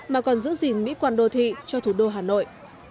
mà còn giữ gìn mỹ quan đô thị cho thủ đô hà nội